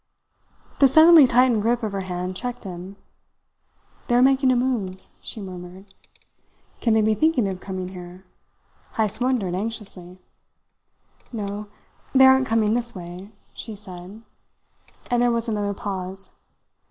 The suddenly tightened grip of her hand checked him. "They are making a move," she murmured. "Can they be thinking of coming here?" Heyst wondered anxiously. "No, they aren't coming this way," she said; and there was another pause.